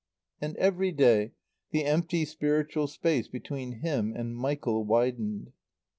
And every day the empty spiritual space between him and Michael widened.